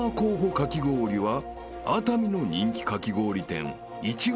かき氷は熱海の人気かき氷店いちご